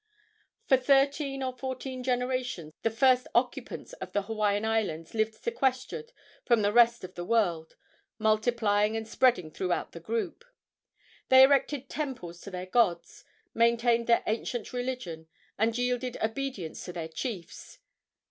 For thirteen or fourteen generations the first occupants of the Hawaiian Islands lived sequestered from the rest of the world, multiplying and spreading throughout the group. They erected temples to their gods, maintained their ancient religion, and yielded obedience to their chiefs.